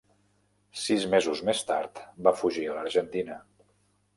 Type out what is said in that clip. Sis mesos més tard, va fugir a l'Argentina.